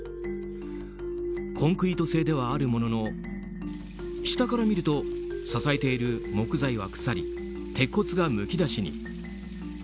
コンクリート製ではあるものの下から見ると支えている木材は腐り鉄骨がむき出しに。